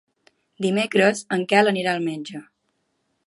Dimecres en Quel anirà al metge.